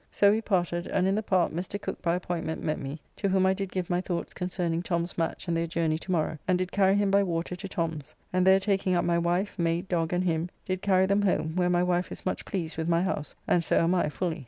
So we parted, and in the park Mr. Cooke by appointment met me, to whom I did give my thoughts concerning Tom's match and their journey tomorrow, and did carry him by water to Tom's, and there taking up my wife, maid, dog, and him, did carry them home, where my wife is much pleased with my house, and so am I fully.